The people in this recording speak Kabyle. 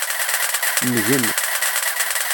Ngen.